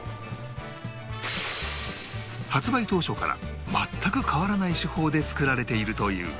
発売当初から全く変わらない手法で作られているという